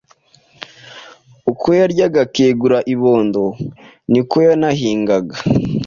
Uko yaryaga akegura ibondo, ni ko yanahingaga